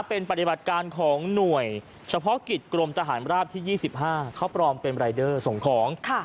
เป็นปฏิบัติการของหน่วยเฉพาะกิจกรมทหารราบที่๒๕เขาปลอมเป็นรายเดอร์ส่งของ